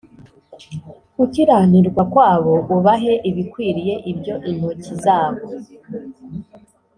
Gukiranirwa kwabo ubahe ibikwiriye ibyo intoki zabo